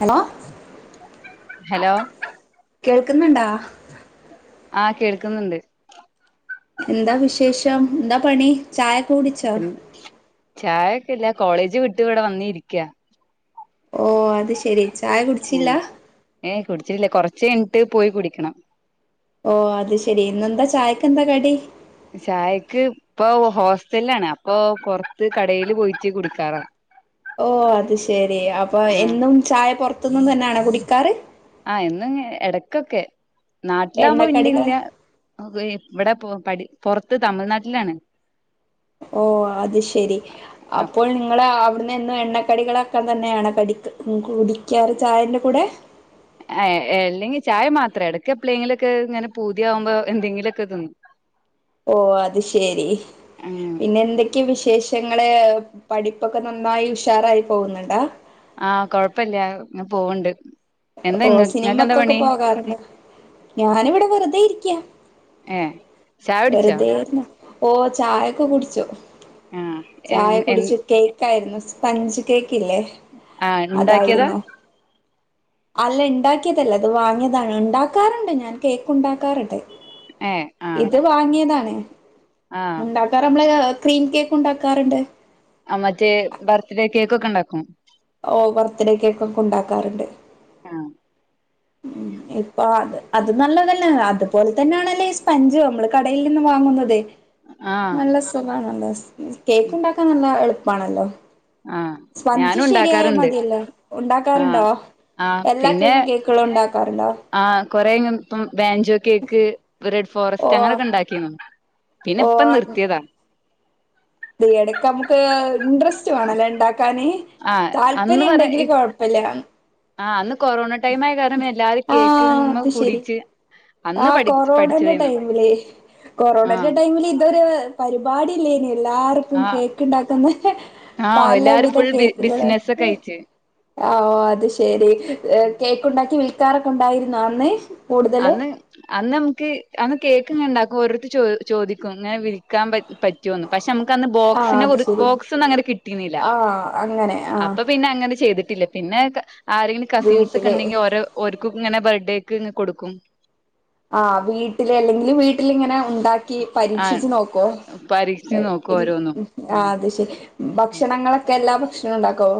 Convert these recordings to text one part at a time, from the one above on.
Hello hello കേൾക്കുന്നുണ്ടാ ആഹ് കേൾക്കുന്നുണ്ട് എന്താ വിശേഷം എന്താ പണി ചായക്കൂടി പിന്നെ ചായൊക്കെ ഇല്ല കോളേജ് വിട്ട് ഇവിടെ വന്ന ഇരിക്കയാ ഓ അത് ശെരി ചായ കുടിച്ചില്ല ഏയ് കുടിച്ചില്ലേ കുറച്ച് എണിട്ട് പോയി കുടിക്കണം ഓ അത് ശെരി ഇന്നെന്താ ചായക്കെന്താ കടി ചായക്ക് ഇപ്പൊ ഹോസ്റ്റലില ആാണ് അപ്പൊ പുറത്ത് കടൽ പോയിട്ട് കൊടുക്കാറ ഓ അത് ശെരി അപ്പൊ ഉം എന്നും ചായ പുറത്തന്നും തന്നെയണ കുടിക്കാറ് ആഹ് എന്നും ഇടക്കൊക്കെ നാട്ടിലാവുമ്പോ എണ്ണക്കടികൾ പിന്നില്ല ഇവിടെ പ പുറത്ത് തമിഴ്നാട്ടിലാണ് ഓ നി അവിടന്ന് ഇും എണ്ണക്കടികളൊക്കെ തന്നെയാണ് കട കുടിക്കാറ് ചായൻന്റെ കൂടെ ആ അല്ലെങ്കിൽ ചായ മാത്രം ഇടക്ക എപ്പഴെങ്കിലൊക്കെ ഇങ്ങനെ പൂതിയാവുമ്പോ എന്തെിലൊക്കെ തിന്നും ഓ അത് ശരി ഉം പിന്നെ എന്തൊ എക്ക് വിശേഷങ്ങളെ പഠിപ്പൊക്കെ നന്നായി ഉഷാറായി പോകുന്നുണ്ടാ ആഹ കൊഴപ്പില്ല ഇങ്ങെ പോവണ്ട് ഓ സിനിമ ഒക്കൊക്കെ പോകാറുണ്ട് ഞാനിവിടെ വെറുതെ ഇരിക്കാ ചാടിച്ചാ ഓ ചായൊക്കെ കുടിച്ചോ ആ എ ചായ എ കുടിച്ചി കേക്കായിരുന്നു സ്പഞ്ച് കേക്ക് ഇല്ലേ ആ ഉണ്ടാക്കിയതാ അതായിരുന്നു അല്ല ഉണ്ടാക്കിയതല്ല അത് വാങ്ങിയതാണ് ഉണ്ടാക്കാറുണ്ട് ഞാൻ കേക്ക് ഉണ്ടാക്കാറണ്ട് ഏഹ് ഇത് വാങ്ങിയതാണ് ഉണ്ടാക്കാറ് നമ്മള് ക്രീം കേക്ക് ഉണ്ടാക്കാറുണ്ട് മറ്റേ ബർത്ത്ഡേ കേക്ക ഒക്കെ ഉണ്ടാക്കും ഓ ബർത്ത്ഡേക്ക ഒക്കെ ഒക്കെ ഉണ്ടാക്കാറുണ്ട് ഉം ഇപ്പൊ അത് അത് നല്ലതല്ലേ അതുപോലെ തന്നെയാണല്ലേ ഈ സ്പഞ്ച നമ്മള് കടയിൽ നിന്ന് വാങ്ങുന്നതേ ആ നല്ല സുഖണല്ലോ കേക്ക് ഉണ്ടാക്കാൻ നല്ല എളുപ്പാണല്ലോ ആ സ്പഞ്ച് ഞാനും ശരിയായ ഉണ്ടാക്കാറുണ്ട് മതിയല്ലേ ആ ഉണ്ടാക്കാറുണ്ടോ ആ എല്ലാ ക്രീം കേക്കുകളും ഉണ്ടാക്കാറുണ്ടോ ആഹ് കൊറെങ്ങ ഇപ്പം ബാഞ്ചെ കേക്ക് റെഡ് ഓ ഫോറസ്റ്റ് അങ്ങനെയൊക്കെ ഉണ്ടാക്കിരുന്നു പിന്നെ ഓ ഇപ്പ നിർത്തിയതാ ഇടക്ക നമുക്ക് ഇൻട്രസ് ണല്ലേ ഉണ്ടാക്കാാന് ആ താല്പര്യം ഉണ്ടെങ്കില് കുഴപ്പില്ല ആഹ് അന്ന് കൊറോണ ടൈം ആയ കാരണം എല്ലാരും ആ കേക്ക് മ്മെ അത് ശരി കൂടിറ്റ് ആഹ് കൊറോണന്റെ ടൈമില് ആ കൊറോണന്റെ ടൈമില് ഇതൊരു പരിപാടില്ലേന് എല്ലാവർക്കും ആ കേക്ക് ഉണ്ടാക്കുന്ന ആഹ് എല്ലാരും പലവിധ ഫുൾ ബി കേക്കുകൾ ബിസിനസ് ഒക്കെ ആയിറ്റ് ആഹ് അത് ശെരി കേക്ക് ഉണ്ടാക്കി വിൽക്കാനെക്കെ ഉണ്ടായിരുന്ന അന്ന് കൂടുതലും അന്ന് അന്ന് നമുക്ക് അന്ന് കേക്ക് ങ്ങനെ ഉണ്ടാക്കും ഓരോരുത്ത ച ചോദിക്കും ഇങ്ങനെ വിൽക്കാൻ പറ്റ റ്റ പെ നമുക്ക് അന്ന് ആഹ് ബോക്സിന അത് ശെരി ബോക് ഒന്നും അങ്ങനെ കിട്ടുന്നില്ല ആഹ് അങ്ങനെ ആഹ് അപ്പൊ പിന്നെ അങ്ങനെ ചെയ്തിട്ടില്ലേ പിന്നെ ആരെങ്കിലും കസിൻസ് ഒക്കെ വീട്ടില് ഉണ്ടെങ്കിൽ ഓരോഓർക്കും ഇങ്ങനെ ബർത്ത്ഡേ ഒക്കെ ഇ കൊടുക്കും ആഹ് വീട്ടില് അല്ലെങ്കിൽ വീട്ടിലിങ്ങനെ ഉണ്ടാക്കി പരീക്ഷിച്ചച്ച് ആഹ് നോക്കോ പരീക്ഷിച്ച് നോക്കും ഓരോന്നും ആഹ് അത് ശെരി ഭക്ഷണങ്ങളൊക്കെ എല്ലാ ഭക്ഷണ ഉണ്ടാക്കോ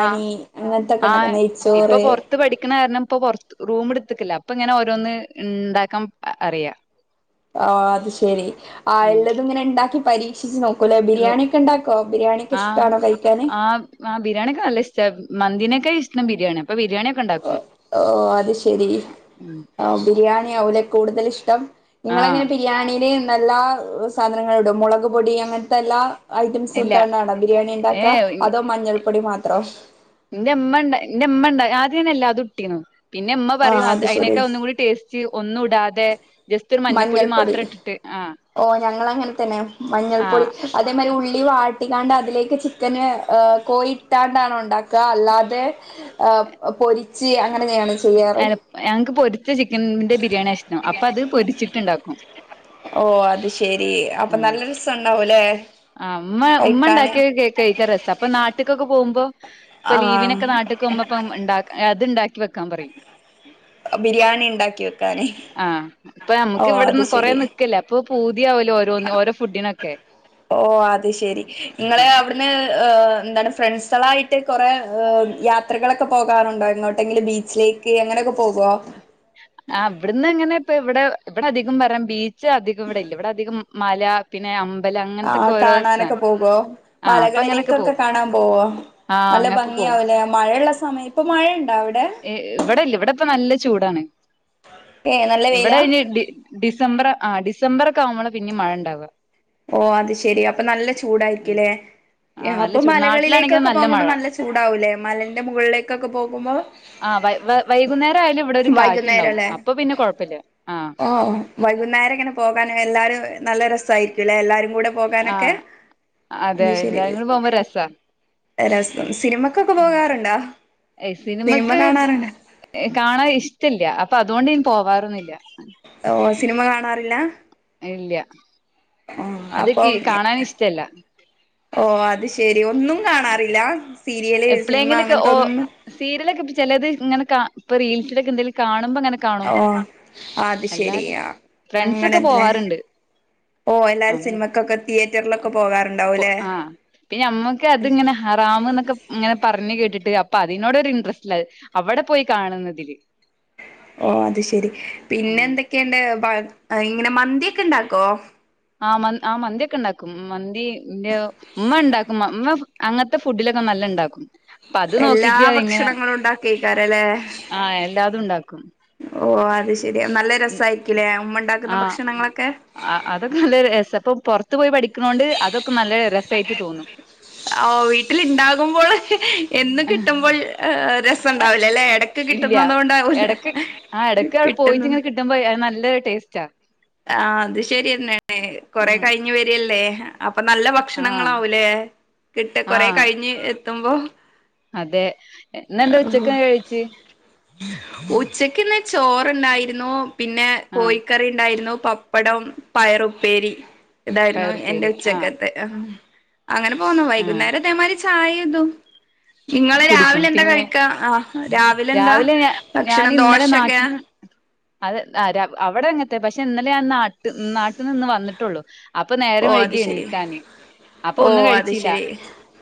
ആഹ് അങ്ങനത്തൊക്കെ ഉണ്ടാക്കും നെയ്ച്ചോറ് ത്ത് പഠിക്കണ കാരണം ഇപ്പൊറ റൂം എടുത്തിക്കില്ല അപ്പൊ ഇങ്ങനെ ഓരോന്ന് ഉണ്ടാക്കാൻ അറിയാം ആഹ് അത് ശെരി ആ എല്ലത ഇങ്ങനെ ഉണ്ടാക്കി പരീക്ഷിച്ചച്ച് നോക്കി അലെ ഉം ബിരിയാണി ഒക്കെ ഉണ്ടാക്കോ ബിരിയാണിയ ഒക്കെ ആഹ് ഇഷ്ടണോഴിക്കാാന് ആഹ് ആഹ് ബിരിയാണിക്കെല്ല ഇഷം മന്തിനൊക്കെ ഇഷ്ടം ബിരിയാണി അൊ ബിരിയാണി ഓ ഓ അത് ശരി ഉം ആഹ് ബിരിയാണി അലെ കൂടുതൽ ഇഷ്ടം ആഹ് നിങ്ങളെങ്ങനെ ബിരിയാണിയില് നല്ല സാധനങ്ങളൾ ഇടും മുളക് പൊടി അങ്ങനത്തെ എല്ലാ ഐറ്റംസ് ഇല്ല നത്തണ്ണണോ ബിരിയാണി ഉണ്ടാക്ക ഏഹ് അതോ മഞ്ഞൾപ്പൊടി മാത്രോ എന്റെമ്മ ഉണ്ട് എന്റെമ്മ ഉണ്ട് ആദ്യ തന്ന അല്ലാ അത്ൊട്ടിന്നു പിന്നെ ഉമ്മ ആ പറയും അ അത് ശരി അതിനൊക്കെ ഒന്നും കൂടി ടേസ്റ്റ് ഒന്നും ഇടാതെ ജസ്റ്റ് ഒരു മഞ്ഞപ്പൊടി മഞ്ഞൾപ്പൊടി മാത്രം ഇട്ടിട്ട് ആഹ് ഓ ഞങ്ങള അങ്ങനെ തന്നെ ആഹ് മഞ്ഞൾപ്പൊടി അതേമാതിരി ഉള്ളി വാട്ടിക്കാണ്ട് അതിലേക്ക് ചിക്കന് കോയി ഇട്ടാണ്ടാാണ് ഉണ്ടാക്കുക അല്ലാതെ ആഹ് പൊരിച്ച് അങ്ങനെയാണ് ചെയ്യാറ് ഞങ്ങൾക്ക് പൊരിച്ച ചിക്കനിന്റെ ബിരിയാണി ഇഷ്ടം അപ്പൊ അത് പൊരിച്ചിട്ടുണ്ടാക്കും ഓ അത് ശെരി അപ്പൊ ആഹ് നല്ല രസമുണ്ടാവൂലെ ആഹ് ഉമ്മ ഉമ്മ ഉണ്ടാക്കിയ കേഴിക്കാ രസം അപ്പൊ നാട്ടൊക്കെ പോകുമ്പോ ഇപ്പൊ ആഹ് ലീവിനൊക്കെ നാട്ട പപ്പ ഉണ്ട അത് ഉണ്ടാക്കി വെക്കാൻ പറയും ബിരിയാണി ഉണ്ടാക്കി വെക്കാന് ആഹ് ഇപ്പൊ ഓ നമുക്ക് അത് ഇവിടെന്ന് കൊറ ശരി നക്കല ഇപ്പൊ പൂതിയാവല്ലോ ഓരോ ഓരോ ഫുഡിനൊക്കെ ഓ അത് ശെരി നിങ്ങളെ അവിടുന്ന് എന്താണ് ഫ്രണ്ട്സുകളായിട്ട് കുറെേ യാത്രകളൊക്കെ പോകാറുണ്ടോ എങ്ങോട്ടെങ്കിലും ബീച്ചിലേക്ക് എങ്ങനെയൊക്കെ പോകുവോ ആ ഇവിടന്ന് എങ്ങനെ ഇപ്പ ഇവിടെ ഇവിടെ അധികം വരാ ബീച്ച് അധികം ഇവിടെ ഇല്ല ഇവിടെ അധികം മല പിന്നെ അമ്പലം ആ അങ്ങനത്തൊക്കെ ഓരോ കാണാനൊക്കെ സ്ഥലാണ് പോകോ ആഹ് അപ്പൊ അങ്ങനൊക്കെ മലകളിലേക്കൊക്കെ പോവും കാണാൻ പോവോ ആഹ് നല്ല അങ്ങപ്പൊ ഭംഗി പോവും ആവൂലേ മഴയുള്ള സമയം ഇപ്പ മഴയുണ്ടവിടെ ഇവിടില്ല ഇവിടെ ഇപ്പ നല്ല ചൂടാണ് ഏ നല്ല ഇവിടെ വെയിലാ ഇ- ഡിസംബർ ആ ഡിസംബർ ഒക്കെ ആവുമ്പോൾ പിന്നെ മഴ ഉണ്ടാവുക ഓ അത് ശെരി അപ്പൊ നല്ല ചൂടായിരിക്കല്ലേ ആഹ് നല്ല അപ്പൊ ചൂട് നാട്ടിലാണെങ്കിൽ മലകളിലേക്കൊക്കെ പോകുമ്പോ മഴ നല്ല ചൂടാവൂലേ മലന്റെ മുകളിലേക്കൊക്കെ പോകുമ്പോൾ ആ വ വൈകുന്നേരം ആയാലും ഇവിടെ ഒരു കാറ്റുണ്ടാവും വൈകുന്നേരല്ലേ അപ്പൊ പിന്നെ കൊഴപ്പില്ല ആ ഓ വൈകുന്നേരം ഇങ്ങനെ പോകാനും എല്ലാരും നല്ല രസായിരിക്കുംല്ലേ എല്ലാരും കൂടെ പോകാനൊക്കെ ആഹ് അതെ അത് ശരി എല്ലാരും കൂടി പോകുമ്പോ രസാ രസം സിനിമക്കൊക്കെ ഉം പോകാറുണ്ടോ സിനിമ സിനിമക്ക് കാണാറുണ്ട് കാണാൻ ഇഷ്ടമില്ല അപ്പൊ അതുകൊണ്ട് ഇനി പോവാറൊന്നില്ല ഓ സിനിമ കാണാറില്ല ഇല്ല്യ ആ അപ്പം ഇഷ്ടല്ല ഓ അത് ശരി ഒന്നും കാണാറില്ല സീരിയല് സിനിമ എപ്പളെങ്കിലൊക്കെ അങ്ങനത്തെ ഓ ഒന്നും സീരിയലൊക്കെ ചിലത് ഇങ്ങനെ ഇപ്പൊ റീൽസിലൊക്കെ എന്തെലും കാണുമ്പോ അങ്ങനെ കാണും ഓ അത് അല്ലാതെ ശരിയാ ഫ്രണ്ട്സ് ഒക്കെ അങ്ങനെല്ലെ പോവാറുണ്ട് ഓ ആ എല്ലാരും സിനിമക്കൊക്കെ തിയേറ്ററിലൊക്കെ പോകാറുണ്ടാവുംല്ലേ ആ പിന്നെ നമ്മക്ക് അതിങ്ങനെ ഹറാമ് എന്നൊക്കെ ഇങ്ങനെ പറഞ്ഞ് കേട്ടിട്ട് അപ്പൊ അതിനോട് ഒരു ഇൻട്രസ്റ്റ് ഇല്ല അവിടെ പോയി കാണുന്നതില് ഓ അത് ശെരി പിന്നെ എന്തൊക്കെയുണ്ട് ഇങ്ങനെ മന്തിക്കെ ഉണ്ടാക്കോ? ആ മ ആ മന്തി ഒക്കെ ഉണ്ടാക്കും മന്തിന്റെ ഉമ്മ ഉണ്ടാക്കും ഉമ്മ അങ്ങനത്തെ ഫുഡിലൊക്കെ നല്ല ഉണ്ടാക്കും അപ്പ അത് എല്ലാ നോക്കിട്ട് ഇങ്ങനെ ഭക്ഷണങ്ങളും ഉണ്ടാക്കിക്കാരല്ലേ ആ എല്ലാതും ഉണ്ടാക്കും ഓ അത് ശെരിയാ നല്ല ഉം രസായിരിക്കില്ലേ ഉമ്മ ഉണ്ടാക്കുന്ന ആഹ് ഭക്ഷണങ്ങളൊക്കെ ആഹ് അതൊക്കെ നല്ല രസം ഇപ്പൊ പുറത്തു പോയി പഠിക്കണോണ്ട് അതൊക്കെ നല്ല രസമായിട്ട് തോന്നും ആ വീട്ടിൽ ഉണ്ടാകുമ്പോൾ എന്നും കിട്ടുമ്പോൾ രസണ്ടാവൂല അല്ലേ ഇടക്ക് ഇല്ല കിട്ടുന്നത് കൊണ്ടാവൂലേ എടക്ക് ആഹ് എടക്ക് അവിടെ പോയിട്ട് കിട്ടുന്ന ഇങ്ങനെ കിട്ടുമ്പോ നല്ലൊരു ടേസ്റ്റാ ആ അത് ശരിയന്നെല്ലേ കൊറെ ഉം കഴിഞ്ഞ് വരിയല്ലേ അപ്പൊ നല്ല ആഹ് ഭക്ഷണങ്ങളാവൂലേ കിട്ട കൊറെ ആഹ് കഴിഞ്ഞ് എത്തുമ്പോ അതെ ഇന്ന് എന്താ ഉച്ചക്ക് കഴിച്ച് ഉച്ചക്ക്ന്ന് ചോറുണ്ടായിരുന്നു പിന്നെ ആഹ് കോഴിക്കറി ഉണ്ടായിരുന്നു പപ്പടം പയറുപ്പേരി ഇതായിരുന്നു എന്റെ പയറുപ്പേരി ആഹ് ഉച്ചക്കത്തെ ആ അങ്ങനെ പോന്നു ആഹ് വൈകുന്നേരം ഇതേ മാതിരി ചായേം ഇതും നിങ്ങള് കുടിക്കും രാവിലെ എന്താ പിന്നെ കഴിക്കാ ആ രാവിലെ എന്താ ഞാൻ ഭക്ഷണം ഇന്നലെ ദോശൊക്കെ നാട്ടിൽ അത് അവിടെ അങ്ങത്തെ പക്ഷെ ഇന്നലെ ഞാൻ നാട്ട് നാട്ടിൽ നിന്ന് വന്നിട്ടുള്ളൂ. അപ്പൊ ഓ നേരം അത് വൈകി ശരി എണീക്കാന് അപ്പൊ ഓ ഒന്നും അത് കഴിച്ചില്ല ശരി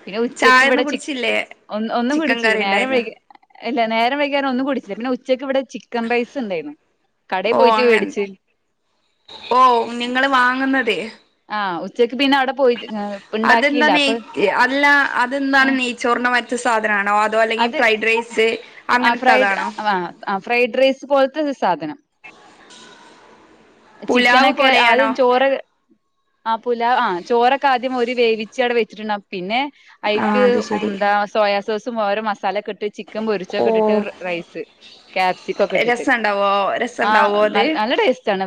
പിന്നെ ഉച്ചക്ക് ഇവിടെ ചായൊന്നും ചി- കുടിച്ചില്ലേ ഒന്ന് ഒന്നും ചിക്കൻ കൂടിച്ചില്ല കറി നേരം ഉണ്ടായിരുന്നു വൈകി ഇല്ല നേരം വൈകേ കാരണം ഒന്നും കുടിച്ചില്ല പിന്നെ ഉച്ചയ്ക്ക് ഇവിടെ ചിക്കൻ റൈസ് ഉണ്ടായിരുന്നു. കടയിൽ ഓ പോയിട്ട് അങ്ങനെ മേടിച്ച് ഓ കുഞ്ഞുങ്ങള് വാങ്ങുന്നതേ ആ ഉച്ചക്ക് പിന്നെ അവിടെ പോയി അതെന്താ ഉണ്ടാക്കിയില്ല അപ്പൊ നെയ അല്ല അതെന്താണ് നെയ് ചോറിൻ്റെ മാതിരത്തെ സാധന ആണോ അതോ അല്ലെങ്കിൽ അത് ഫ്രൈഡ് റൈസ് ആ അങ്ങനത്തെ ഫ്രൈഡ് അതാണോ? ആ ഫ്രൈഡ് റൈസ് പോലത്തെ ഒരു സാധനം. പുലാവ് ചിക്കനൊക്കെ പോലെയാണോ ആദ്യം ചോറ് ആഹ് പുല ആഹ് ചോറൊക്കെ ആദ്യം ഒരു വേവിച്ച് അവിടെ വെച്ചിട്ടുണ്ടവും. പിന്നെ ആ അഐക്ക് അത് ശരി എന്താ സോയാ സോസും ഓരോ മസാലക്കെട്ട് ചിക്കൻ ഓ പൊരിച്ചൊക്കെ ഇട്ടിട്ട് റൈസ് ക്യാപ്സിക്ക ഒക്കെ ഇട്ടിട്ട് രസണ്ടാവോ ആഹ് നല്ല ടേസ്റ്റ് ആണ്.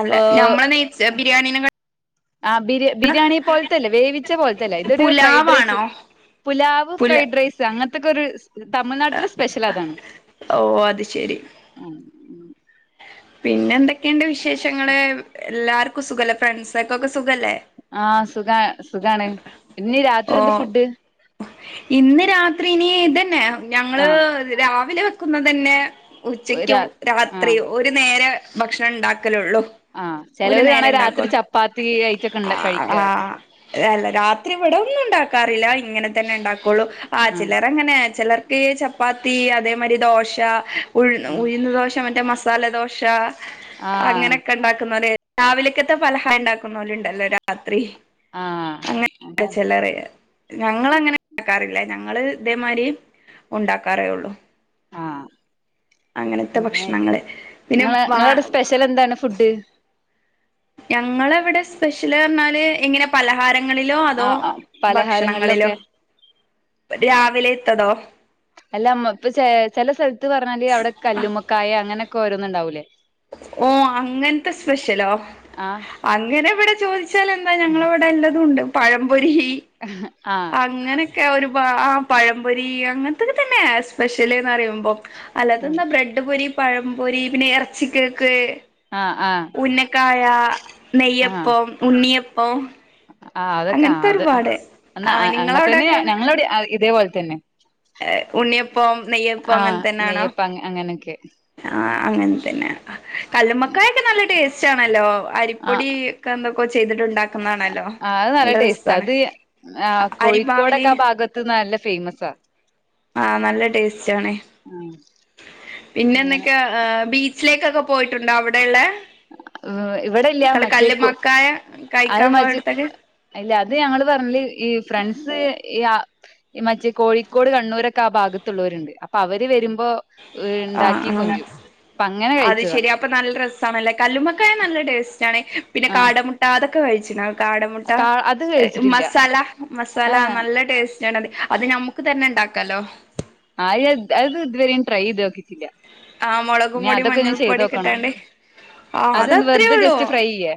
അല്ല ഞമ്മള നെയിൽസ് ബിരിയാണിന ആഹ് ബിരി ബിരിയാണി പോലത്തെല്ലേ വേവിച്ച പോലത്തല്ലേ ഇതൊരു ഫ്രൈഡ് റൈസ് പുലാവാണോ പുലാവ് പുല ഫ്രൈഡ് റൈസ് അങ്ങനത്തൊക്കെ ഒരു തമിഴ്നാട്ടിലെ സ്പെഷ്യൽ അതാണ് ഓ അത് ശെരി ഉം പിന്നെ എന്തൊക്കെയണ്ട് വിശേഷങ്ങള് എല്ലാർക്കും സുഖല്ലേ? ഫ്രണ്ട്സർക്കൊക്കെ സുഖല്ലേ? ആഹ് സുഖ സുഖാണ്. പിന്നീ ഓ രാത്രി എന്താ ഫുഡ് ഇന്ന് രാത്രി ഇനി ഇതന്നെ ഞങ്ങള് ആ രാവിലെ വെക്കുന്ന തന്നെ രാ ഉച്ചക്കും ആ രാത്രിയോ ഒരു നേര ഭക്ഷണം ഉണ്ടാക്കലോള്ളൂ ആഹ് ചിലവർ ആണേ രാത്രി ചപ്പാത്തി വൈച്ചൊക്കെ ഇണ്ടാക്കി കഴിക്കാറ് ല്ല രാത്രി ഇവിടെ ഒന്നും ഉണ്ടാക്കാറില്ല ഇങ്ങനെ തന്നെ ഉണ്ടാക്കുള്ളു ആ ചിലർ അങ്ങനെ ചിലർ ചപ്പാത്തി അതേമാതിരി ദോശ ഉഴു ഉം ഉഴുന്ന് ദോശ മറ്റേ മസാല ദോശ ആ അങ്ങനെയൊക്കെ ഉണ്ടാക്കുന്നത് രാവിലക്കത്തെ ഫലഹാരം ഉണ്ടാക്കുന്നോലുണ്ടല്ലോ രാത്രി ആഹ് ആഹ് ചെലറിയ ഞങ്ങളങ്ങനെ ഉണ്ടാക്കാറില്ല ഞങ്ങള് ഇതേമാതിരി ഉണ്ടാക്കാറേ ഉള്ളു ആ അങ്ങനത്തെ ഭക്ഷണങ്ങള് പിന്നെ വ ചിലന്താണ് ഫുഡ് ഞങ്ങളവിടെ സ്പെഷ്യല് അർഞ്ഞാല് ഇങ്ങനെ പലഹാര ങ്ങളിലോ ആ അതോ ആ ഭക്ഷണങ്ങളിലോ പലഹാരങ്ങളിലൊക്കെ രാവിലെ ത്തതോ അല്ലമ്മ ഇപ്പ ചെല സ്ഥലത്ത് പറഞ്ഞാല് അവിടെ കല്ലുമ്മക്കായ അങ്ങനെയൊക്കെ ഓരോന്നുണ്ടാവൂലേ ഓഹ് അങ്ങൻത്തെ സ്പെഷ്യലോ ആഹ് അങ്ങനെ ഇവിടെ ചോദിച്ച ച്ചാൽ എന്താ ഞങ്ങളവിടെ എല്ലതും ഉണ്ട് പഴംപൊരി ആഹ് അങ്ങനൊക്കെ ഒരുപാ ആഹ് പഴംപൊരി അങ്ങനത്തൊക്കെ തന്നെയ സ്പെഷ്യലിന്ന് പറയുമ്പോ അല്ലാതന്നാ ബ്രെഡ് പൊരി പഴം പൊരി പിന്നെ എറച്ചികേക്ക് ആഹ് ആഹ് ഉന്നക്കായ ആഹ് നെയ്യപ്പം ഉണ്ണിയപ്പം ആഹ് അതൊക്കെ ആഹ് അങ്ങനത്തെ അത് ഒരുപാട് എന്നാ ആ അങ്ങെ തന്നെ നിങ്ങളവിടെക്കെ ഞങ്ങളവിടെ ഇതേപോലെ തന്നെ ഉണ്ണിയപ്പം നെയ്യപ്പം അങ്ങൻ ആഹ് തന്നെയാണോ നെയ്യപ്പ അങ്ങനെയൊക്കെ ആഹ് അങ്ങനെ തന്നെ കല്ലുമ്മക്കായൊക്കെ നല്ല ടേസ്റ്റ് ആണല്ലോ ആഹ് അരിപ്പൊടി ഒക്കെ എന്തൊക്കെ ചെയ്തിട്ടുണ്ടാക്കുന്നതാണല്ലോ ആഹ് അത് നല്ല ടേസ്റ്റ് അത് ആഹ് അരിമാവില് കോഴിക്കോടൊക്കെ ആ ഭാഗത്ത് നല്ല ഫേമസാ ആഹ് നല്ല ടേസ്റ്റ് ആണേ ഉം പിന്നെ എന്തൊക്കെയ ബീച്ചിലേക്കൊക്കെ പോയിട്ടുണ്ടോ അവിടെയുള്ള ഇവിടെല്ല കള് മറ്റേക്കു കല്ല്മക്കായ കഴിക്കാൻ പോയ ട്ത്തൊക്കെ അല്ല അത് ഞങ്ങള് പറഞ്ഞല് ഈ ഫ്രണ്ട്സ് ഈ ഈ മറ്റേ കോഴിക്കോട് കണ്ണൂരൊക്കെ ആ ഭാഗത്തുള്ളവരുണ്ട് അപ്പൊ അവര് വരുമ്പോ ആഹ് ഇണ്ടാക്കി ആഹ് കൊണ്ട്രു അപ്പ അങ്ങനെ അത് കഴിച്ചതാ ശെരി അപ്പൊ നല്ല രസാണല്ലേ കല്ലുമ്മക്കായ നല്ല ടേസ്റ്റ് ആണ് പിന്നെ ആഹ് കാടമുട്ട അതൊക്കെ കഴിച്ചിനാ കാടമുട്ട കാ അത് കഴിച്ചിട്ടില്ല മസാല മസാല ആഹ് നല്ല ടേസ്റ്റ് റ്റാണതി അത് ഞമ്മക്ക് തന്നെ ഉണ്ടാക്കാല്ലോ ആരിയ അത് ഇതുവരെെൻ ട്രൈ ചെയ്ത് നോക്കിട്ടില്ല ആഹ് മുളകും ഇനി പൊടി അതൊക്കെ ഇനി മഞ്ഞൾ ചെയ്ത് പൊടി നോക്കണം കിട്ടാണ്ടേ ആ അത അതെന്ത് അത്രേ വെറുതെ ഉള്ളൂ ജസ്റ്റ് ഫ്രൈ ചെയ്യേ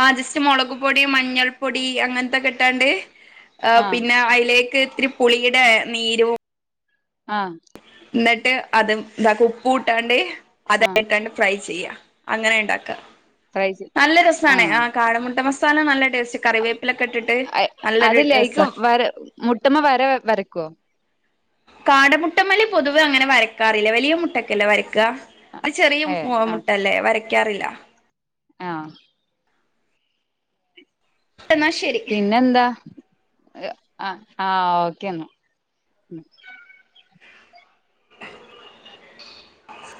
ആഹ് ജസ്റ്റ് മുളക് പൊടി മഞ്ഞൾ പൊടി അങ്ങനത്തൊക്കെ ഇട്ടാണ്ട് ആഹ് പിന്നെ അയ്ലേക്ക് ഇത്തിരി പുളിയുടെ നീരും ആഹ് എന്നിട്ട് അതും ഇതെ ഉപ്പും ഇട്ടാണ്ട് ആഹ് അതയ്ക്ക്ട്ടാണ്ട് ഫ്രൈ ചെയ്യാ അങ്ങനെ ഉണ്ടാക്ക ഫ്രൈ ചെയ് നല്ല രസാണ് ആഹ് ആ കാടമുട്ട മസാല നല്ല ടേസ്റ്റ് കറിവേപ്പിലൊക്കെ ഇട്ടിട്ട് നല്ലൊരു അതില്ല എക്ക് രസാ വര മുട്ടമ്മ വര വരയ്ക്കുവോ കാടമുട്ടമ്മല് പൊതുവെ അങ്ങനെ വരക്കാറില്ല വലിയ മുട്ട ല്ല വരയ്ക്ക അത് ചെറിയ ഏഹ് ആഹ് മുട്ടല്ലേ വരക്കാറില്ല ആഹ് എന്നാ ശരി പിന്നെന്താ ആഹ് ഓക്കേന്നാ